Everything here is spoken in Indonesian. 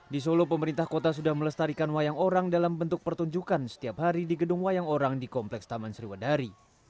di solo pemerintah kota sudah melestarikan wayang orang dalam bentuk pertunjukan setiap hari di gedung wayang orang di kompleks taman sriwadari